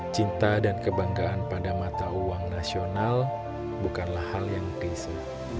cinta dan kebanggaan pada mata uang nasional bukanlah hal yang biasa